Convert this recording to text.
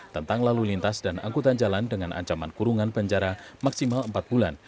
tentang lalu lintas dan angkutan jalan dengan ancaman kurungan penjara maksimal empat bulan